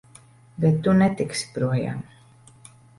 Bet tu netiksi projām!